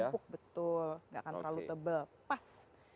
gak numpuk betul gak akan terlalu tebal pas